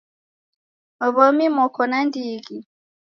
W'omi moko na ndighi.